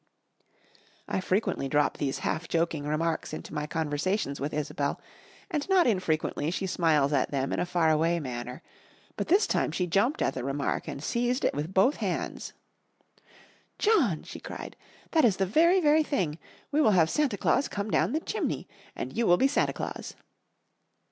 I frequently drop these half joking remarks into my conversations with Isobel, and not infrequently she smiles at them in a faraway manner, but this time she jumped at the remark and seized it with both hands. "John!" she cried, "that is the very, very thing! We will have Santa Claus come down the chimney! And you will be Santa Claus!"